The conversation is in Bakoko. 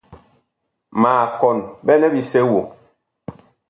Ma kɔn ɓɛnɛ bisɛ woŋ.